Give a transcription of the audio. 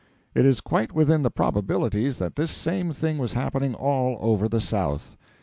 It is quite within the probabilities that this same thing was happening all over the South.